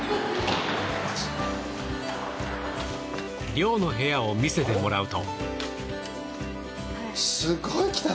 寮の部屋を見せてもらうと。